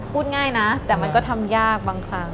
พูดง่ายนะแต่มันก็ทำยากบางครั้ง